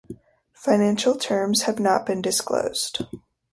Financial terms have not been disclosed.